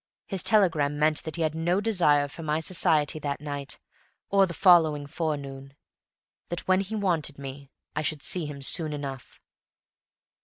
His telegram meant that he had no desire for my society that night or the following forenoon; that when he wanted me I should see him soon enough.